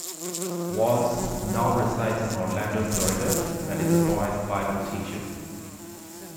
Walls now resides in Orlando, Florida and is a boys' Bible teacher.